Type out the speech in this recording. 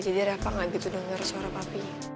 jadi reva enggak gitu dengar suara papi